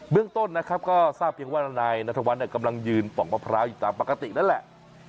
เรื่องต้นนะครับก็ทราบเพียงว่านายนัทวัฒน์กำลังยืนปอกมะพร้าวอยู่ตามปกตินั่นแหละ